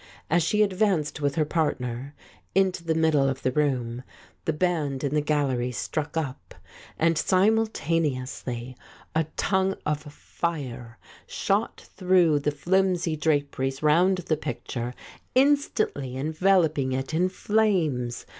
As she advanced with her partner into the middle of the room, the band in the gallery struck up, and simultaneously a tongue of fire shot through the flimsy draperies round the picture, instantly envelop ing it in flames.